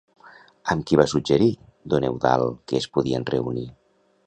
Amb qui va suggerir don Eudald que es podien reunir?